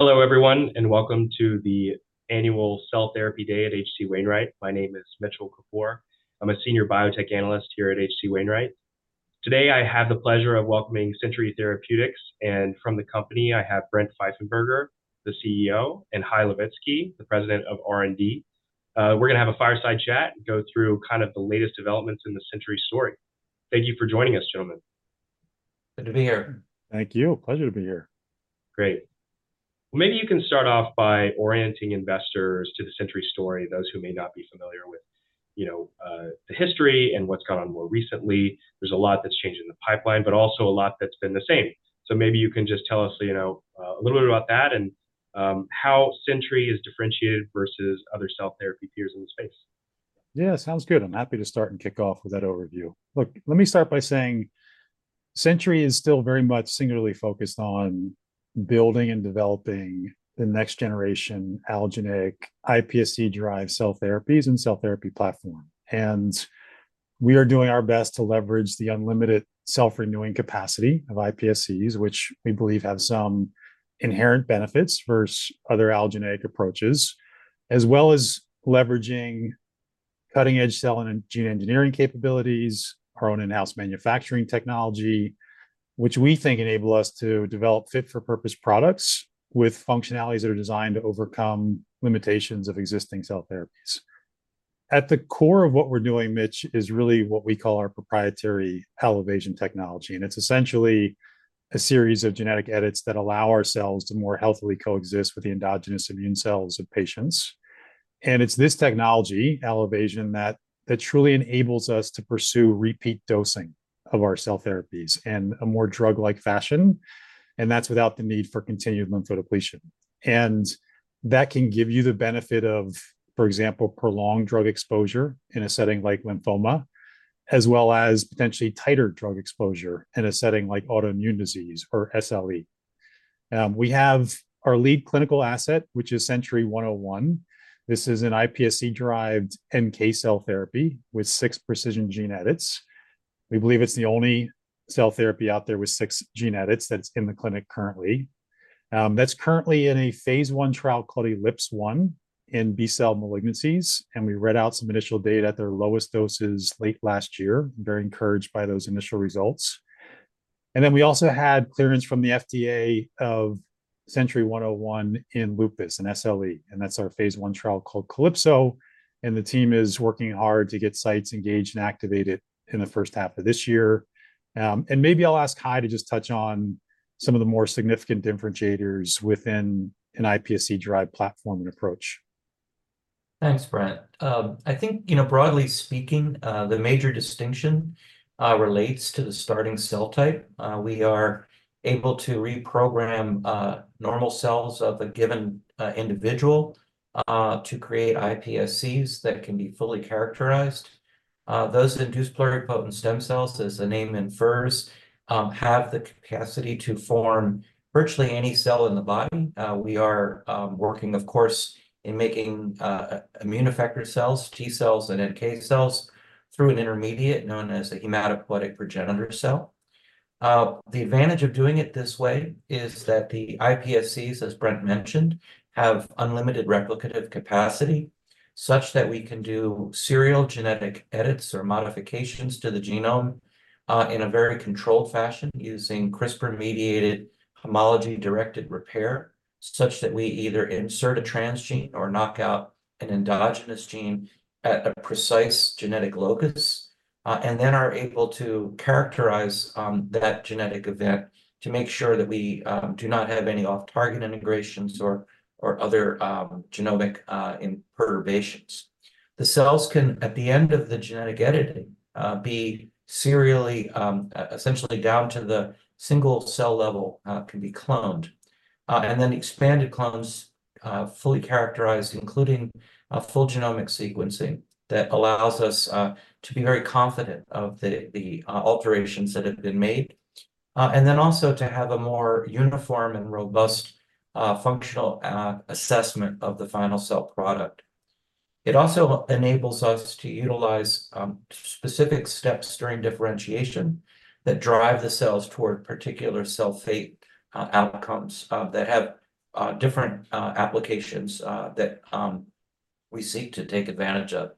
Hello, everyone, and welcome to the Annual Cell Therapy Day at H.C. Wainwright. My name is Mitchell Kapoor. I'm a Senior Biotech Analyst here at H.C. Wainwright. Today I have the pleasure of welcoming Century Therapeutics, and from the company I have Brent Pfeiffenberger, the CEO, and Hy Levitsky, the President of R&D. We're going to have a fireside chat and go through kind of the latest developments in the Century story. Thank you for joining us, gentlemen. Good to be here. Thank you. Pleasure to be here. Great. Well, maybe you can start off by orienting investors to the Century story, those who may not be familiar with, you know, the history and what's gone on more recently. There's a lot that's changed in the pipeline, but also a lot that's been the same. So maybe you can just tell us, you know, a little bit about that and how Century is differentiated versus other cell therapy peers in the space. Yeah. Sounds good. I'm happy to start and kick off with that overview. Look, let me start by saying Century is still very much singularly focused on building and developing the next generation allogeneic iPSC-derived cell therapies and cell therapy platform. And we are doing our best to leverage the unlimited self-renewing capacity of iPSCs, which we believe have some inherent benefits versus other allogeneic approaches, as well as leveraging cutting-edge cell and gene engineering capabilities, our own in-house manufacturing technology, which we think enable us to develop fit-for-purpose products with functionalities that are designed to overcome limitations of existing cell therapies. At the core of what we're doing, Mitch, is really what we call our proprietary Allo-Evasion technology. And it's essentially a series of genetic edits that allow our cells to more healthily coexist with the endogenous immune cells of patients. And it's this technology, Allo-Evasion, that truly enables us to pursue repeat dosing of our cell therapies in a more drug-like fashion. That's without the need for continued lymphodepletion. That can give you the benefit of, for example, prolonged drug exposure in a setting like lymphoma, as well as potentially tighter drug exposure in a setting like autoimmune disease or SLE. We have our lead clinical asset, which is Century 101. This is an iPSC-derived NK cell therapy with six precision gene edits. We believe it's the only cell therapy out there with six gene edits that's in the clinic currently. That's currently in a phase I trial called ELiPSE-1 in B-cell malignancies. We read out some initial data at their lowest doses late last year, very encouraged by those initial results. And then we also had clearance from the FDA of Century 101 in lupus and SLE. That's our phase I trial called CALiPSO-1. The team is working hard to get sites engaged and activated in the first half of this year. Maybe I'll ask Hyam to just touch on some of the more significant differentiators within an iPSC-derived platform and approach. Thanks, Brent. I think, you know, broadly speaking, the major distinction relates to the starting cell type. We are able to reprogram normal cells of a given individual to create iPSCs that can be fully characterized. Those induced pluripotent stem cells, as the name infers, have the capacity to form virtually any cell in the body. We are working, of course, in making immune effector cells, T cells, and NK cells through an intermediate known as a hematopoietic progenitor cell. The advantage of doing it this way is that the iPSCs, as Brent mentioned, have unlimited replicative capacity such that we can do serial genetic edits or modifications to the genome in a very controlled fashion using CRISPR-mediated homology-directed repair, such that we either insert a transgene or knock out an endogenous gene at a precise genetic locus and then are able to characterize that genetic event to make sure that we do not have any off-target integrations or other genomic perturbations. The cells can, at the end of the genetic editing, be serially, essentially down to the single cell level, can be cloned. And then expanded clones, fully characterized, including full genomic sequencing that allows us to be very confident of the alterations that have been made and then also to have a more uniform and robust functional assessment of the final cell product. It also enables us to utilize specific steps during differentiation that drive the cells toward particular cell fate outcomes that have different applications that we seek to take advantage of.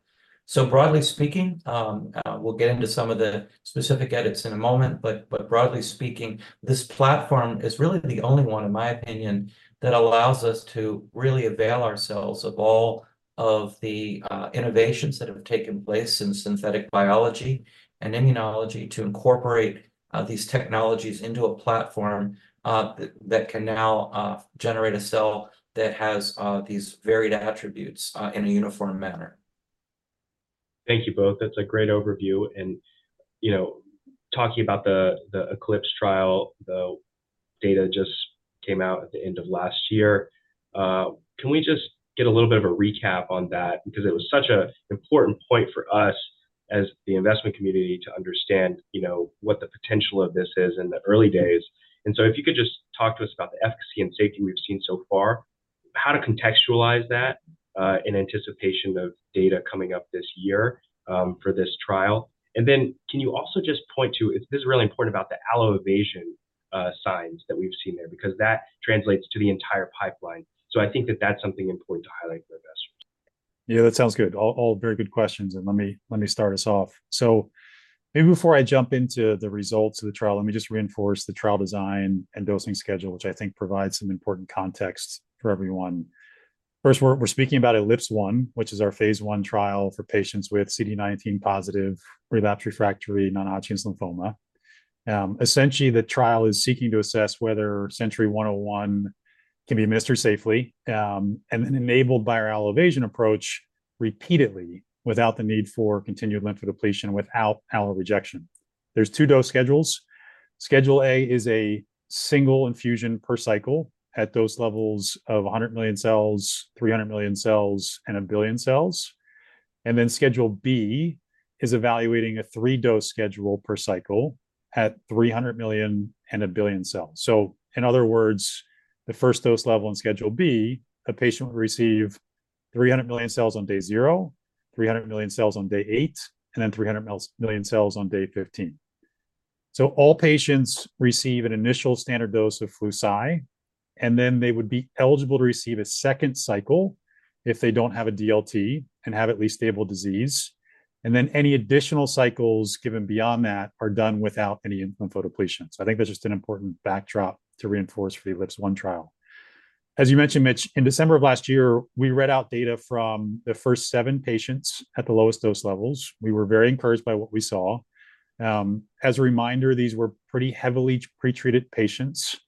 So broadly speaking, we'll get into some of the specific edits in a moment. But broadly speaking, this platform is really the only one, in my opinion, that allows us to really avail ourselves of all of the innovations that have taken place in synthetic biology and immunology to incorporate these technologies into a platform that can now generate a cell that has these varied attributes in a uniform manner. Thank you both. That's a great overview. You know, talking about the ELiPSE-1 trial, the data just came out at the end of last year. Can we just get a little bit of a recap on that? Because it was such an important point for us as the investment community to understand, you know, what the potential of this is in the early days. And so if you could just talk to us about the efficacy and safety we've seen so far, how to contextualize that in anticipation of data coming up this year for this trial. Then can you also just point to this is really important about the Allo-Evasion signs that we've seen there because that translates to the entire pipeline. So I think that that's something important to highlight for investors. Yeah. That sounds good. All very good questions. Let me start us off. So maybe before I jump into the results of the trial, let me just reinforce the trial design and dosing schedule, which I think provides some important context for everyone. First, we're speaking about ELiPSE-1, which is our phase I trial for patients with CD19-positive relapsed refractory non-Hodgkin's lymphoma. Essentially, the trial is seeking to assess whether Century 101 can be administered safely and then enabled by our Allo-Evasion approach repeatedly without the need for continued lymphodepletion without allo-rejection. There are two dose schedules. Schedule A is a single infusion per cycle at dose levels of 100 million cells, 300 million cells, and 1 billion cells. Then Schedule B is evaluating a three-dose schedule per cycle at 300 million and 1 billion cells. So in other words, the first dose level in Schedule B, a patient would receive 300 million cells on day zero, 300 million cells on day 8, and then 300 million cells on day 15. So all patients receive an initial standard dose of Flu/Cy. And then they would be eligible to receive a second cycle if they don't have a DLT and have at least stable disease. And then any additional cycles given beyond that are done without any lymphodepletion. So I think that's just an important backdrop to reinforce for the ELiPSE-1 trial. As you mentioned, Mitch, in December of last year, we read out data from the first seven patients at the lowest dose levels. We were very encouraged by what we saw. As a reminder, these were pretty heavily pretreated patients.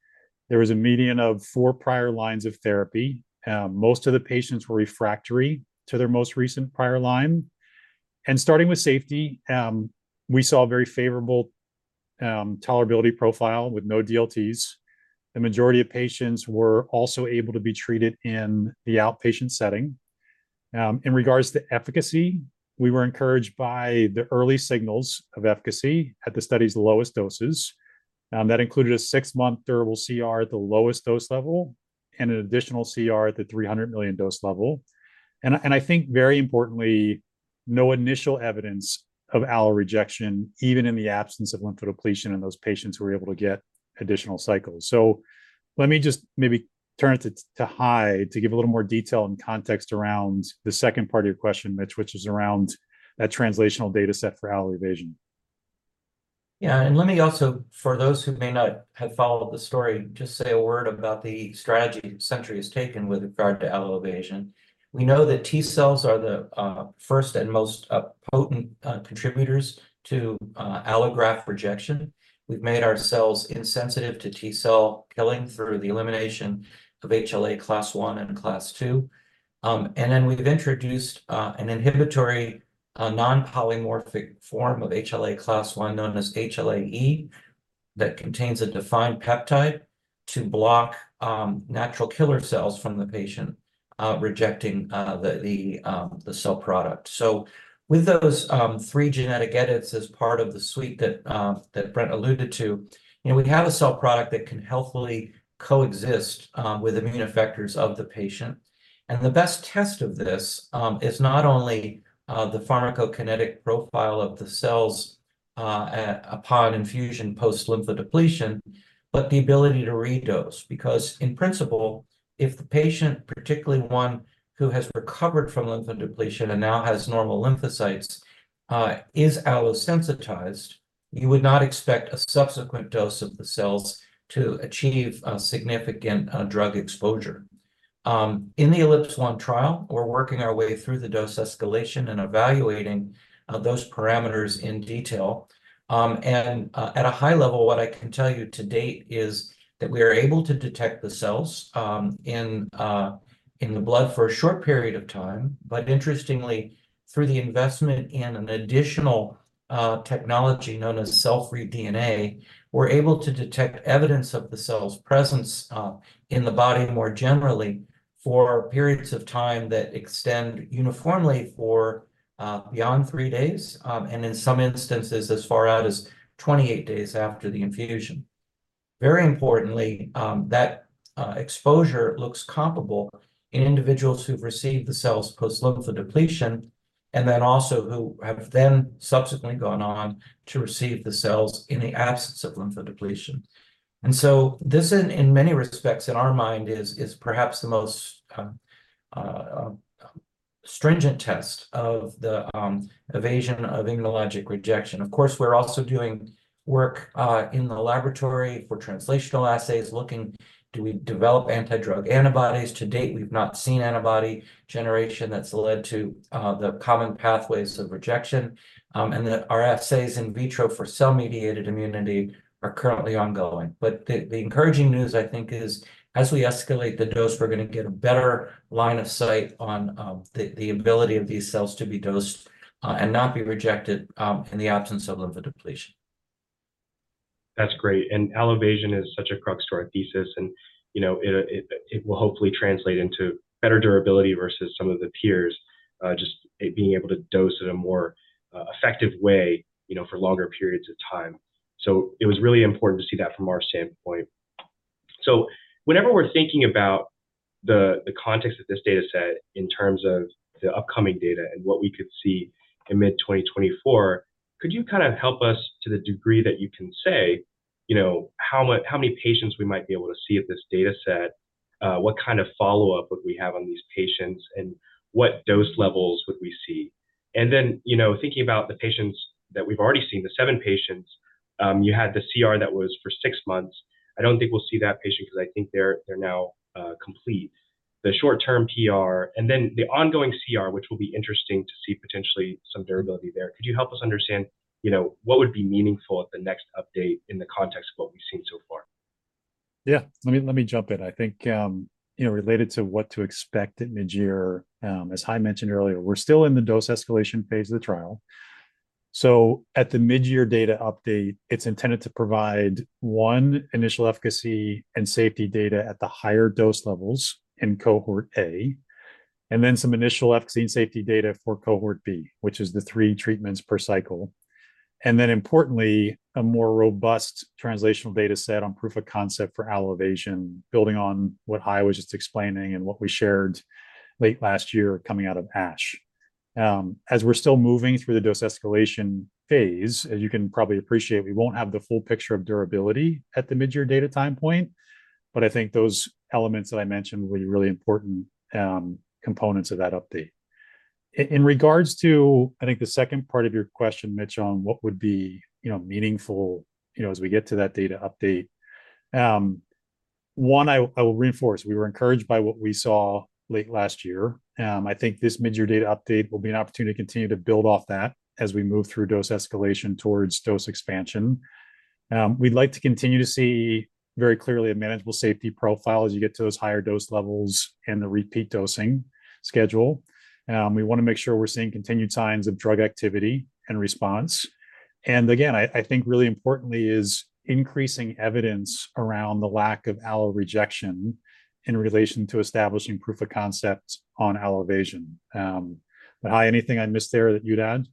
There was a median of four prior lines of therapy. Most of the patients were refractory to their most recent prior line. Starting with safety, we saw a very favorable tolerability profile with no DLTs. The majority of patients were also able to be treated in the outpatient setting. In regards to efficacy, we were encouraged by the early signals of efficacy at the study's lowest doses. That included a six-month durable CR at the lowest dose level and an additional CR at the 300 million dose level. I think, very importantly, no initial evidence of allo-rejection, even in the absence of lymphodepletion in those patients who were able to get additional cycles. Let me just maybe turn it to Hy to give a little more detail and context around the second part of your question, Mitch, which is around that translational dataset for Allo-Evasion. Yeah. And let me also, for those who may not have followed the story, just say a word about the strategy Century has taken with regard to Allo-Evasion. We know that T cells are the first and most potent contributors to allograft rejection. We've made our cells insensitive to T cell killing through the elimination of HLA Class I and Class II. And then we've introduced an inhibitory non-polymorphic form of HLA Class I known as HLA-E that contains a defined peptide to block natural killer cells from the patient rejecting the cell product. So with those three genetic edits as part of the suite that Brent alluded to, you know, we have a cell product that can healthily coexist with immune effectors of the patient. And the best test of this is not only the pharmacokinetic profile of the cells upon infusion post-lymphodepletion, but the ability to redose. Because, in principle, if the patient, particularly one who has recovered from lymphodepletion and now has normal lymphocytes, is allosensitized, you would not expect a subsequent dose of the cells to achieve significant drug exposure. In the ELiPSE-1 trial, we're working our way through the dose escalation and evaluating those parameters in detail. And at a high level, what I can tell you to date is that we are able to detect the cells in the blood for a short period of time. But interestingly, through the investment in an additional technology known as cell-free DNA, we're able to detect evidence of the cell's presence in the body more generally for periods of time that extend uniformly for beyond three days and in some instances as far out as 28 days after the infusion. Very importantly, that exposure looks comparable in individuals who've received the cells post-lymphodepletion and then also who have then subsequently gone on to receive the cells in the absence of lymphodepletion. And so this, in many respects, in our mind, is perhaps the most stringent test of the evasion of immunologic rejection. Of course, we're also doing work in the laboratory for translational assays looking, do we develop antidrug antibodies? To date, we've not seen antibody generation that's led to the common pathways of rejection. And our assays in vitro for cell-mediated immunity are currently ongoing. But the encouraging news, I think, is as we escalate the dose, we're going to get a better line of sight on the ability of these cells to be dosed and not be rejected in the absence of lymphodepletion. That's great. And Allo-Evasion is such a crux to our thesis. And, you know, it will hopefully translate into better durability versus some of the peers, just being able to dose in a more effective way, you know, for longer periods of time. So it was really important to see that from our standpoint. So whenever we're thinking about the context of this dataset in terms of the upcoming data and what we could see in mid-2024, could you kind of help us to the degree that you can say, you know, how many patients we might be able to see at this dataset, what kind of follow-up would we have on these patients, and what dose levels would we see? And then, you know, thinking about the patients that we've already seen, the seven patients, you had the CR that was for six months. I don't think we'll see that patient because I think they're now complete. The short-term PR and then the ongoing CR, which will be interesting to see potentially some durability there. Could you help us understand, you know, what would be meaningful at the next update in the context of what we've seen so far? Yeah. Let me jump in. I think, you know, related to what to expect at mid-year, as Hy mentioned earlier, we're still in the dose escalation phase of the trial. So at the mid-year data update, it's intended to provide one initial efficacy and safety data at the higher dose levels in Cohort A and then some initial efficacy and safety data for Cohort B, which is the three treatments per cycle. And then, importantly, a more robust translational dataset on proof of concept for Allo-Evasion, building on what Hy was just explaining and what we shared late last year coming out of ASH. As we're still moving through the dose escalation phase, as you can probably appreciate, we won't have the full picture of durability at the mid-year data time point. But I think those elements that I mentioned will be really important components of that update. In regards to, I think, the second part of your question, Mitch, on what would be, you know, meaningful, you know, as we get to that data update, one, I will reinforce, we were encouraged by what we saw late last year. I think this mid-year data update will be an opportunity to continue to build off that as we move through dose escalation towards dose expansion. We'd like to continue to see very clearly a manageable safety profile as you get to those higher dose levels and the repeat dosing schedule. We want to make sure we're seeing continued signs of drug activity and response. And again, I think really importantly is increasing evidence around the lack of allo-rejection in relation to establishing proof of concept on Allo-Evasion. But, Hy, anything I missed there that you'd add?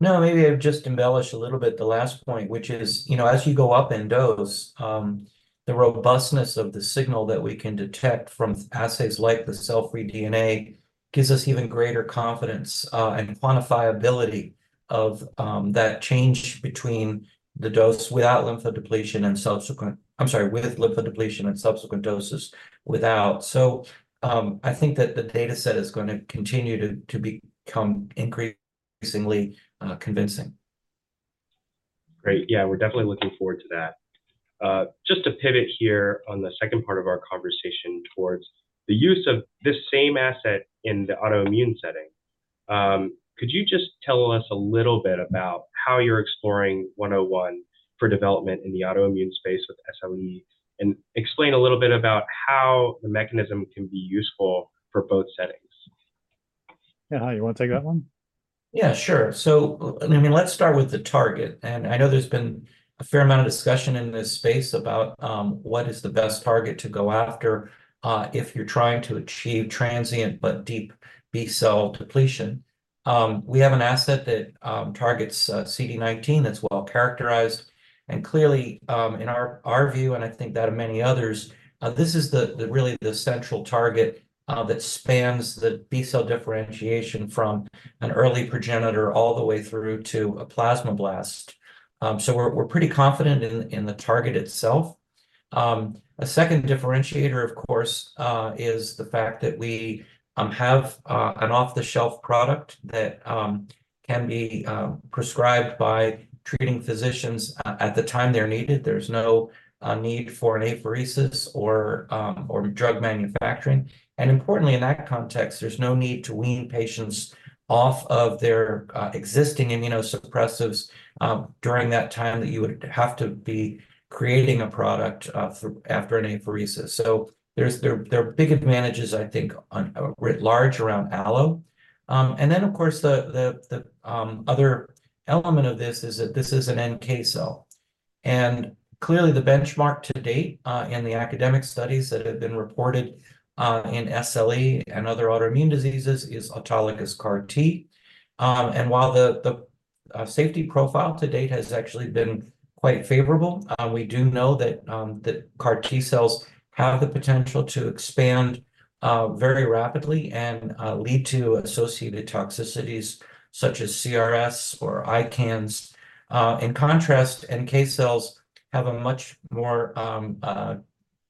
No. Maybe I've just embellished a little bit the last point, which is, you know, as you go up in dose, the robustness of the signal that we can detect from assays like the cell-free DNA gives us even greater confidence and quantifiability of that change between the dose without lymphodepletion and subsequent. I'm sorry, with lymphodepletion and subsequent doses without. So I think that the dataset is going to continue to become increasingly convincing. Great. Yeah. We're definitely looking forward to that. Just to pivot here on the second part of our conversation towards the use of this same asset in the autoimmune setting, could you just tell us a little bit about how you're exploring 101 for development in the autoimmune space with SLE and explain a little bit about how the mechanism can be useful for both settings? Yeah. Hy, you want to take that one? Yeah. Sure. So, I mean, let's start with the target. And I know there's been a fair amount of discussion in this space about what is the best target to go after if you're trying to achieve transient but deep B-cell depletion. We have an asset that targets CD19 that's well-characterized. And clearly, in our view, and I think that of many others, this is really the central target that spans the B-cell differentiation from an early progenitor all the way through to a plasmablast. So we're pretty confident in the target itself. A second differentiator, of course, is the fact that we have an off-the-shelf product that can be prescribed by treating physicians at the time they're needed. There's no need for an apheresis or drug manufacturing. And importantly, in that context, there's no need to wean patients off of their existing immunosuppressives during that time that you would have to be creating a product after an apheresis. So there are big advantages, I think, at large around Allo. And then, of course, the other element of this is that this is an NK cell. And clearly, the benchmark to date in the academic studies that have been reported in SLE and other autoimmune diseases is autologous CAR-T. And while the safety profile to date has actually been quite favorable, we do know that CAR-T cells have the potential to expand very rapidly and lead to associated toxicities such as CRS or ICANS. In contrast, NK cells have a much more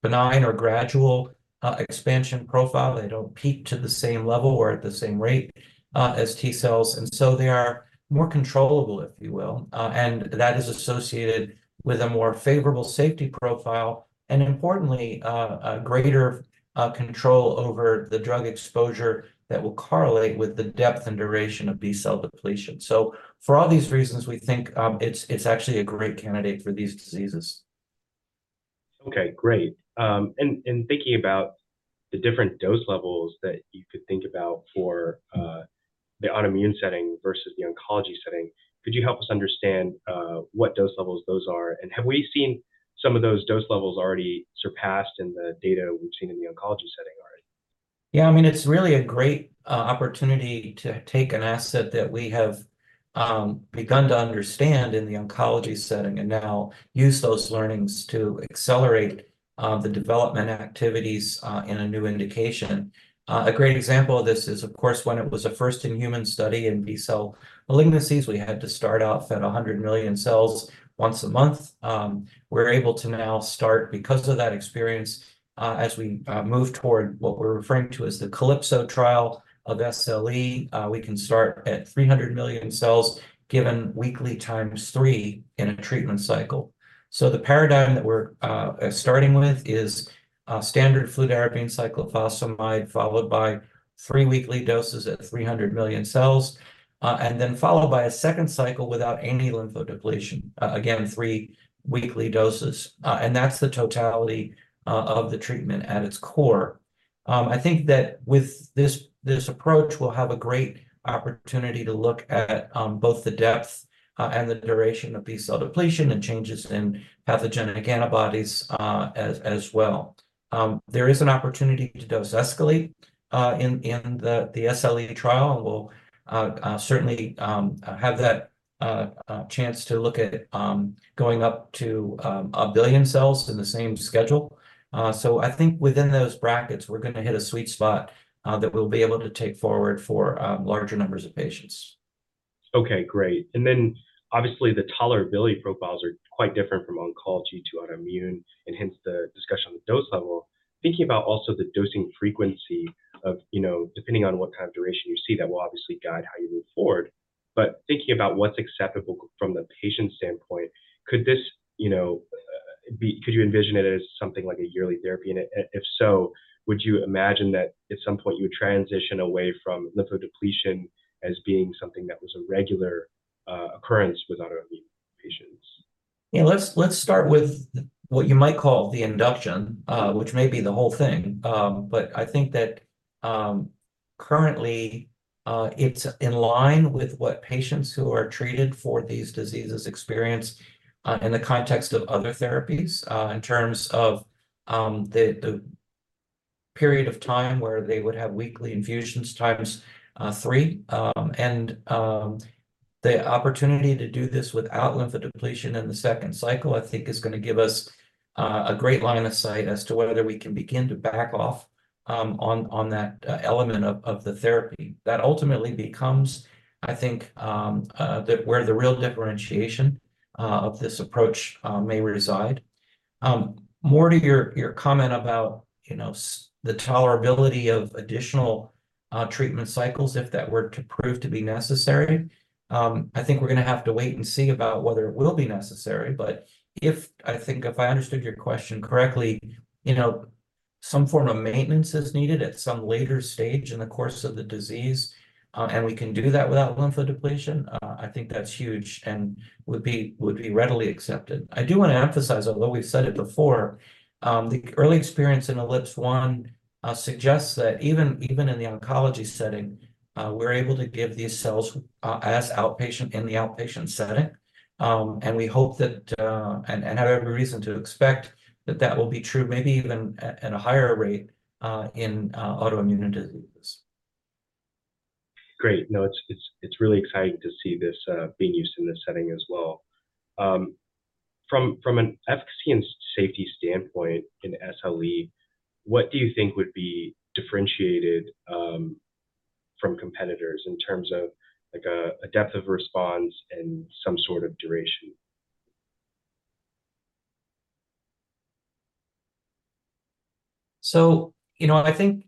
benign or gradual expansion profile. They don't peak to the same level or at the same rate as T cells. And so they are more controllable, if you will. And that is associated with a more favorable safety profile and, importantly, greater control over the drug exposure that will correlate with the depth and duration of B-cell depletion. So for all these reasons, we think it's actually a great candidate for these diseases. Okay. Great. And thinking about the different dose levels that you could think about for the autoimmune setting versus the oncology setting, could you help us understand what dose levels those are? And have we seen some of those dose levels already surpassed in the data we've seen in the oncology setting already? Yeah. I mean, it's really a great opportunity to take an asset that we have begun to understand in the oncology setting and now use those learnings to accelerate the development activities in a new indication. A great example of this is, of course, when it was a first-in-human study in B-cell malignancies, we had to start off at 100 million cells once a month. We're able to now start, because of that experience, as we move toward what we're referring to as the CALiPSO trial of SLE, we can start at 300 million cells given weekly times three in a treatment cycle. So the paradigm that we're starting with is standard fludarabine cyclophosphamide followed by three weekly doses at 300 million cells and then followed by a second cycle without any lymphodepletion, again, three weekly doses. That's the totality of the treatment at its core. I think that with this approach, we'll have a great opportunity to look at both the depth and the duration of B cell depletion and changes in pathogenic antibodies as well. There is an opportunity to dose escalate in the SLE trial, and we'll certainly have that chance to look at going up to 1 billion cells in the same schedule. So I think within those brackets, we're going to hit a sweet spot that we'll be able to take forward for larger numbers of patients. Okay. Great. And then, obviously, the tolerability profiles are quite different from oncology to autoimmune, and hence the discussion on the dose level. Thinking about also the dosing frequency of, you know, depending on what kind of duration you see, that will obviously guide how you move forward. But thinking about what's acceptable from the patient standpoint, could this, you know, be could you envision it as something like a yearly therapy? And if so, would you imagine that at some point you would transition away from lymphodepletion as being something that was a regular occurrence with autoimmune patients? Yeah. Let's start with what you might call the induction, which may be the whole thing. But I think that currently, it's in line with what patients who are treated for these diseases experience in the context of other therapies in terms of the period of time where they would have weekly infusions times three. And the opportunity to do this without lymphodepletion in the second cycle, I think, is going to give us a great line of sight as to whether we can begin to back off on that element of the therapy. That ultimately becomes, I think, where the real differentiation of this approach may reside. More to your comment about, you know, the tolerability of additional treatment cycles if that were to prove to be necessary, I think we're going to have to wait and see about whether it will be necessary. But if I think I understood your question correctly, you know, some form of maintenance is needed at some later stage in the course of the disease, and we can do that without lymphodepletion, I think that's huge and would be readily accepted. I do want to emphasize, although we've said it before, the early experience in ELiPSE-1 suggests that even in the oncology setting, we're able to give these cells as outpatient in the outpatient setting. And we hope that and have every reason to expect that that will be true, maybe even at a higher rate in autoimmune diseases. Great. No, it's really exciting to see this being used in this setting as well. From an efficacy and safety standpoint in SLE, what do you think would be differentiated from competitors in terms of, like, a depth of response and some sort of duration? So, you know, I think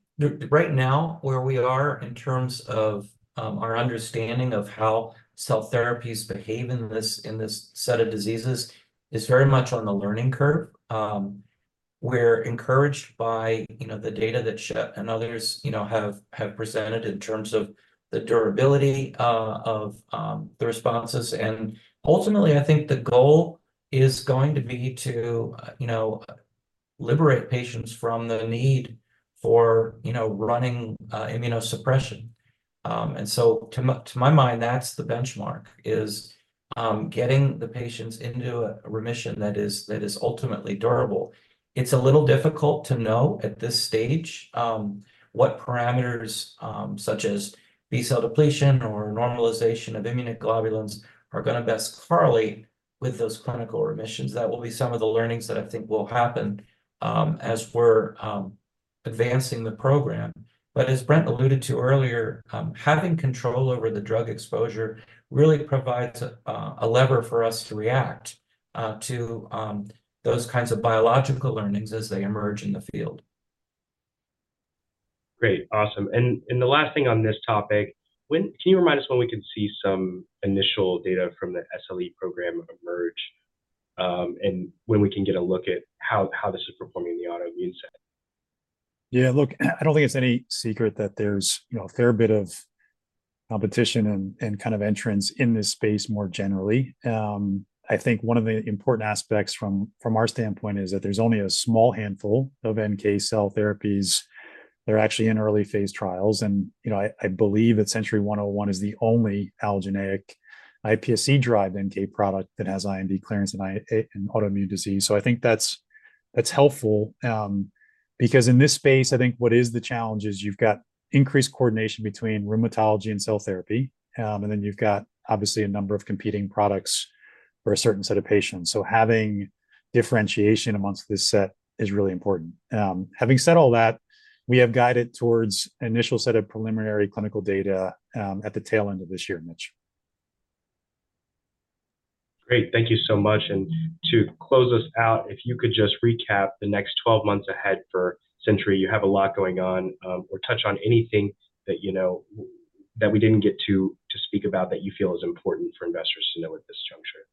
right now where we are in terms of our understanding of how cell therapies behave in this set of diseases is very much on the learning curve. We're encouraged by, you know, the data that Schett and others, you know, have presented in terms of the durability of the responses. And ultimately, I think the goal is going to be to, you know, liberate patients from the need for, you know, running immunosuppression. And so to my mind, that's the benchmark, is getting the patients into a remission that is ultimately durable. It's a little difficult to know at this stage what parameters such as B-cell depletion or normalization of immunoglobulins are going to best correlate with those clinical remissions. That will be some of the learnings that I think will happen as we're advancing the program. But as Brent alluded to earlier, having control over the drug exposure really provides a lever for us to react to those kinds of biological learnings as they emerge in the field. Great. Awesome. The last thing on this topic, can you remind us when we could see some initial data from the SLE program emerge and when we can get a look at how this is performing in the autoimmune setting? Yeah. Look, I don't think it's any secret that there's, you know, a fair bit of competition and kind of entrance in this space more generally. I think one of the important aspects from our standpoint is that there's only a small handful of NK cell therapies that are actually in early-phase trials. And, you know, I believe that Century 101 is the only allogeneic iPSC-driven NK product that has IND clearance in autoimmune disease. So I think that's helpful because in this space, I think what is the challenge is you've got increased coordination between rheumatology and cell therapy, and then you've got, obviously, a number of competing products for a certain set of patients. So having differentiation amongst this set is really important. Having said all that, we have guided towards an initial set of preliminary clinical data at the tailend of this year, Mitch. Great. Thank you so much. To close us out, if you could just recap the next 12 months ahead for Century, you have a lot going on, or touch on anything that, you know, that we didn't get to speak about that you feel is important for investors to know at this juncture.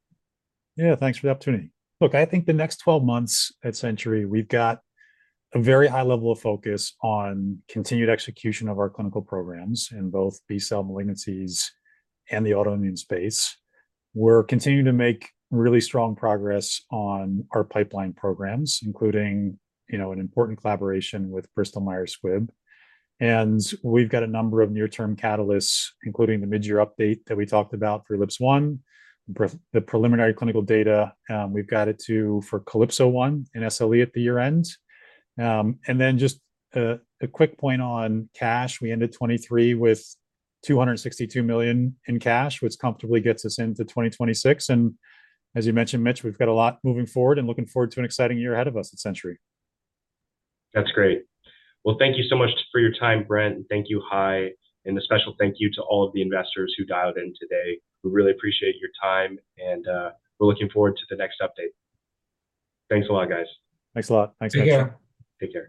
Yeah. Thanks for the opportunity. Look, I think the next 12 months at Century, we've got a very high level of focus on continued execution of our clinical programs in both B-cell malignancies and the autoimmune space. We're continuing to make really strong progress on our pipeline programs, including, you know, an important collaboration with Bristol Myers Squibb. And we've got a number of near-term catalysts, including the mid-year update that we talked about for ELiPSE-1, the preliminary clinical data. We've got it too for CALiPSO-1 in SLE at the year-end. And then just a quick point on cash, we ended 2023 with $262 million in cash, which comfortably gets us into 2026. And as you mentioned, Mitch, we've got a lot moving forward and looking forward to an exciting year ahead of us at Century. That's great. Well, thank you so much for your time, Brent. Thank you, Hy. A special thank you to all of the investors who dialed in today. We really appreciate your time, and we're looking forward to the next update. Thanks a lot, guys. Thanks a lot. Thanks, Mitch. Take care. Take care.